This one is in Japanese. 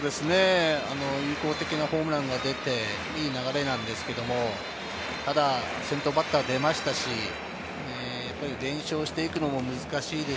有効的なホームランが出ていい流れなんですけれど、先頭バッターが出ましたし、連勝していくのも難しい。